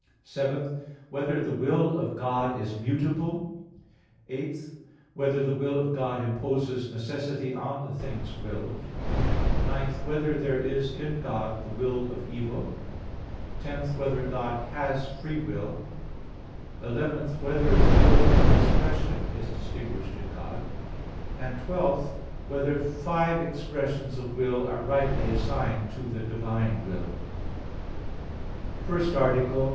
(7) Whether the will of God is mutable? (8) Whether the will of God imposes necessity on the things willed? (9) Whether there is in God the will of evil? (10) Whether God has free will? (11) Whether the will of expression is distinguished in God? (12) Whether five expressions of will are rightly assigned to the divine will? _______________________ FIRST ARTICLE [I, Q.